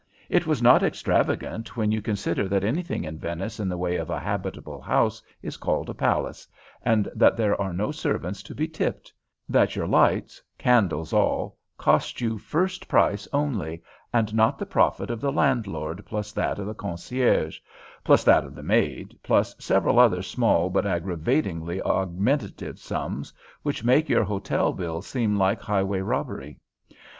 "It was not extravagant when you consider that anything in Venice in the way of a habitable house is called a palace, and that there are no servants to be tipped; that your lights, candles all, cost you first price only, and not the profit of the landlord, plus that of the concierge, plus that of the maid, plus several other small but aggravatingly augmentative sums which make your hotel bills seem like highway robbery.